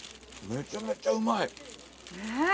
めちゃめちゃうまい。ねぇ。